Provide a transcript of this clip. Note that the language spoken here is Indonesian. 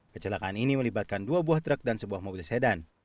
kecelakaan ini melibatkan dua buah truk dan sebuah mobil sedan